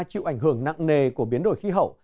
chịu ảnh hưởng nặng nề của biến đổi khí hậu